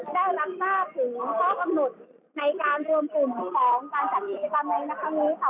ได้รับทราบถึงข้อกำหนดในการรวมกลุ่มของการจัดกิจกรรมในครั้งนี้ค่ะ